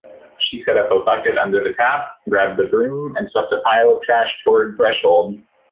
She set a bucket under the tap, grabbed the broom, and swept a pile of trash toward threshold.